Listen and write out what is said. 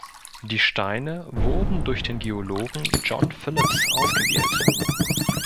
Die Steine wurden durch den Geologen John Phillips ausgewählt.